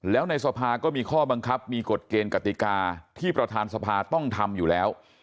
แล้วในสภาก็มีข้อบังคับมีกฎเกณฑ์กติกาที่ประธานสภาต้องทำอยู่แล้ว